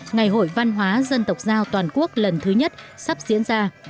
ngày hội văn hóa dân tộc giao toàn quốc lần thứ nhất sắp diễn ra